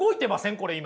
これ今。